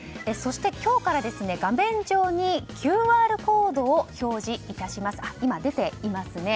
そして、今日から画面上にＱＲコードを表示致します。